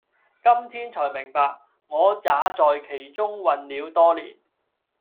今天纔明白，我也在其中混了多年；